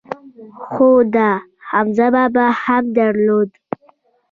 خو ده حمزه بابا هم درلود.